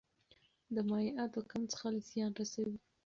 د مایعاتو کم څښل زیان رسوي.